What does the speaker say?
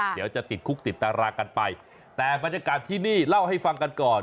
เดี๋ยวจะติดคุกติดตารากันไปแต่บรรยากาศที่นี่เล่าให้ฟังกันก่อน